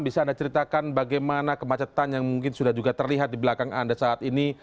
bisa anda ceritakan bagaimana kemacetan yang mungkin sudah juga terlihat di belakang anda saat ini